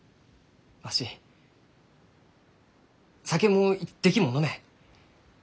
わし酒も一滴も飲めん。